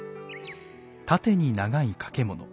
縦に長い掛物。